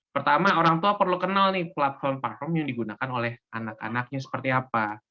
pertama orang tua perlu kenal nih platform platform yang digunakan oleh anak anaknya seperti apa